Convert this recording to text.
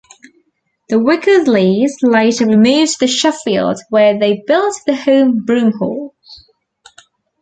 The Wickersleys later removed to Sheffield, where they built the home Broom Hall.